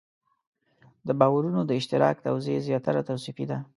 د باورونو د اشتراک توضیح زیاتره توصیفي ده.